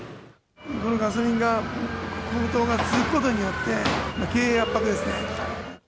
このガソリン高騰が続くことによって、経営圧迫ですね。